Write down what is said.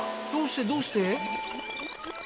どうしてどうして？